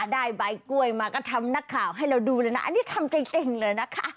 ได้ใบกล้วยมาก็ทำนักข่าวให้เราดูเลยนะอันนี้ทำเก่งเลยนะคะ